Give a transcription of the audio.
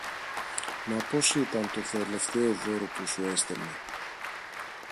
μα πως ήταν το τελευταίο δώρο που σου έστελνε